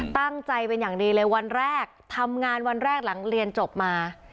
ตั้งใจเป็นอย่างดีเลยวันแรกทำงานวันแรกหลังเรียนจบมา